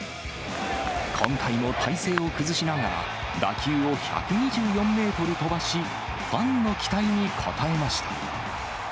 今回も体勢を崩しながら、打球を１２４メートル飛ばし、ファンの期待に応えました。